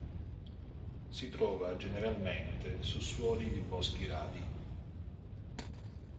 Si trova generalmente su suoli di boschi radi.